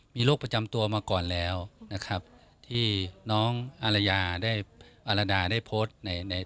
มีโรคประจำตัวมาก่อนแล้วนะครับที่น้องอารยาได้อารดาได้โพสต์ในใน